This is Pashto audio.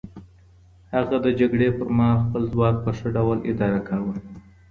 هغه د جګړې پر مهال خپل ځواک په ښه ډول اداره کاوه.